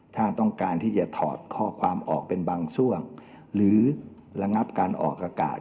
ถ้าต้องการที่จะถอดข้อความออกเป็นบางช่วงหรือระงับการออกอากาศ